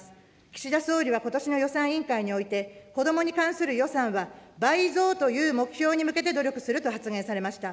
岸田総理はことしの予算委員会において、子どもに関する予算は、倍増という目標に向けて努力すると発言されました。